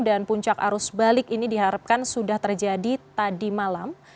dan puncak arus balik ini diharapkan sudah terjadi tadi malam